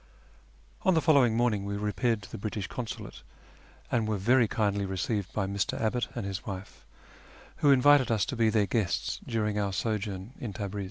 On the following morning we repaired to the British Consulate, and were very kindly received by Mr. Abbott and his wife, who invited us to be their guests during our sojourn in Tabriz.